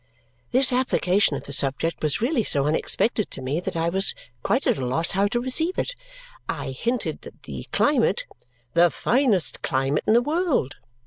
This application of the subject was really so unexpected to me that I was quite at a loss how to receive it. I hinted that the climate "The finest climate in the world!"